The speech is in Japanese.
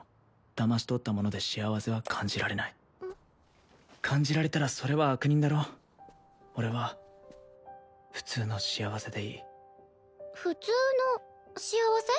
だまし取ったもので幸せは感じられない感じられたらそれは悪人だろ俺は普通の幸せでいい普通の幸せ？